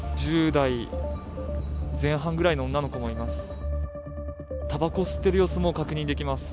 １０代前半ぐらいの女の子もいます。